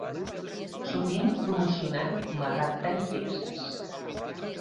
Sovint promocionat com a "Ragtime Texas".